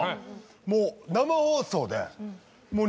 もう生放送で。